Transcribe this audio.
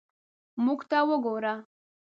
موږ ته وګوره.